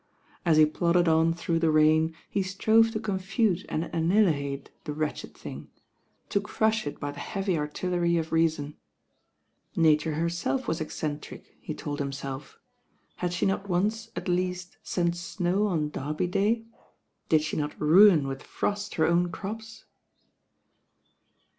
As he plodded on through the rain, he strove to II M THE RAIN OIRL confute and tnnihilate the wretched thing, to crnih it by the heavy artillery of reason. Nature herself was eccentric, he told himself. Had she not once at least Knt snow on Derby Day? Did she not ruitt with frost her own crops?